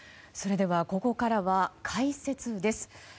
それではここからは解説です。